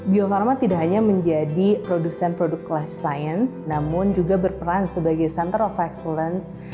bio farma tidak hanya menjadi produsen produk life science namun juga berperan sebagai center of excellence